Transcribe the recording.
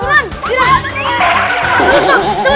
ini kita lihat tempat casan